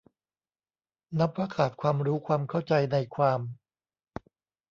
นับว่าขาดความรู้ความเขัาใจในความ